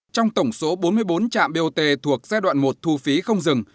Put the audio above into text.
trong tổng số bốn mươi bốn trạm bot thuộc giai đoạn một thu phí không dừng